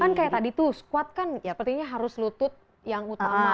kan kayak tadi tuh squad kan ya pentingnya harus lutut yang utama